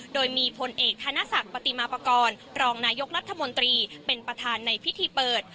โดยมีพลเอกธนศักดิ์ปฏิมาปากรรองนายกรัฐมนตรีเป็นประธานในพิธีเปิด